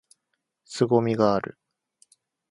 凄みがある！！！！